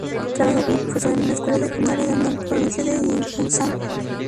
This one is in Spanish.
Trabajó como profesor en una escuela secundaria en Andong, provincia de Gyeongsang.